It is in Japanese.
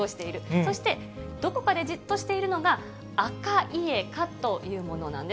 そして、どこかでじっとしているのがアカイエカというものなんです。